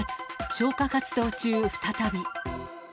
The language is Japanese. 消火活動中再び。